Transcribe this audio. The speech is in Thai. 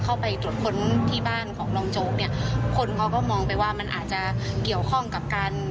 เข้าไปตรวจค้นที่บ้านของรองโจ๊กเนี่ยคนเขาก็มองไปว่ามันอาจจะเกี่ยวข้องกับการ